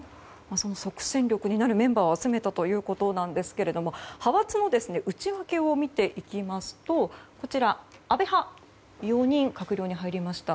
その即戦力になるメンバーを集めたということですが派閥の内訳を見ていきますと安倍派、４人閣僚に入りました。